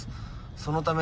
そのため、